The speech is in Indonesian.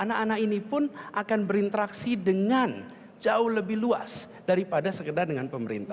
anak anak ini pun akan berinteraksi dengan jauh lebih luas daripada sekedar dengan pemerintah